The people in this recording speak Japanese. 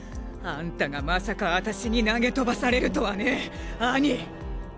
あんたがまさか私に投げ飛ばされるとはねアニ！